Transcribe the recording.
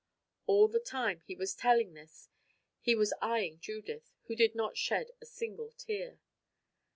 All the time he was telling this he was eying Judith, who did not shed a single tear.